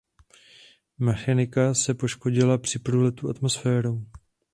Mechanika se poškodila při průletu atmosférou.